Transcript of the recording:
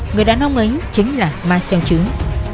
người đàn ông ấy chính là ma sơn trứng